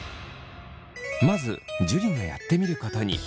まず樹がやってみることに。